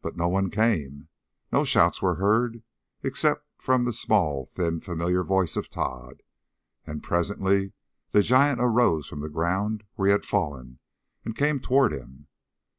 But no one came. No shouts were heard except from the small, thin, familiar voice of Tod. And presently the giant arose from the ground where he had fallen and came toward him.